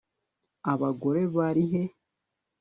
Abagore bari he